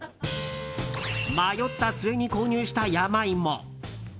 迷った末に購入したヤマイモ。